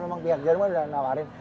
memang pihak jarum kan udah nawarin